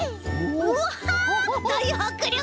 わあだいはくりょく！